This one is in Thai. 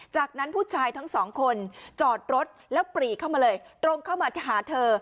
จากนั้นผู้ชายทั้งสองคนจอดรถแล้วปรีเข้ามาเลยตรงเข้ามาหาเธอ